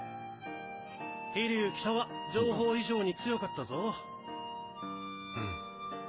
飛竜北は情報以上に強かったぞ。